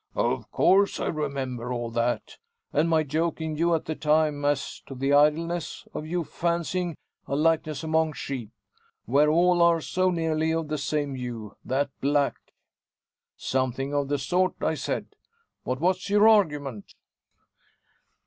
"Of course I remember all that; and my joking you at the time as to the idleness of you fancying a likeness among sheep; where all are so nearly of the same hue that black. Something of the sort I said. But what's your argument?"